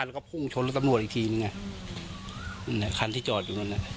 แล้วก็พุ่งชนแล้วตำหนวดอีกทีนึงไงเนี่ยคันที่จอดอยู่นั่นอ่ะ